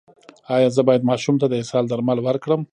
ایا زه باید ماشوم ته د اسهال درمل ورکړم؟